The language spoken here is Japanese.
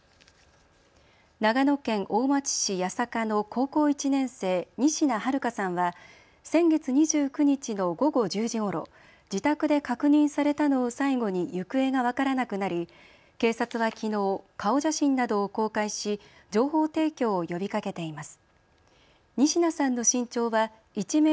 長野県大町市八坂の高校１年生、仁科日花さんは先月２９日の午後１０時ごろ、自宅で確認されたのを最後に行方が分からなくなり警察はきのう顔写真などを公開し情報提供を呼びかけています。